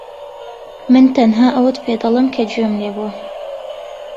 من تەنها ئەوەت پێدەڵێم کە گوێم لێ بووە.